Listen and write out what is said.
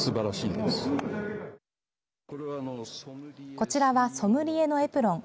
こちらはソムリエのエプロン。